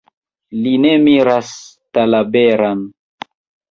Li ne miras Talaberan.